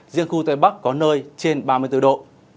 riêng khu tây bắc có nơi trên ba mươi bốn độ